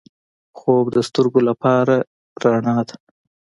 خوب د سترګو لپاره رڼا ده